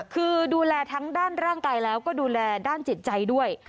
คือดูแลทั้งด้านร่างกายแล้วก็ดูแลด้านจิตใจด้วย